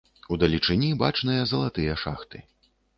Удалечыні бачныя залатыя шахты.